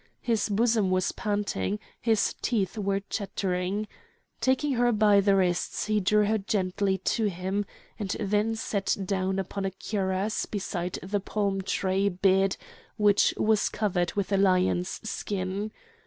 His bosom was panting, his teeth were chattering. Taking her by the wrists he drew her gently to him, and then sat down upon a cuirass beside the palm tree bed which was covered with a lion's skin.